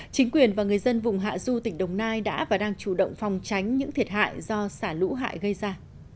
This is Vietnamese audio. chính quyền và người dân vùng hạ du tỉnh đồng nai đã và đang chủ động phòng tránh những thiệt hại do xả lũ hại gây ra